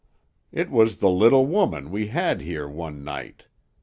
It was the little woman we had here one night!